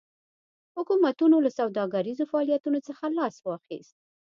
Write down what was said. حکومتونو له سوداګریزو فعالیتونو څخه لاس واخیست.